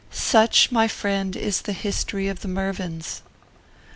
Such, my friend, is the history of the Mervyns."